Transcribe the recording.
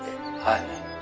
はい。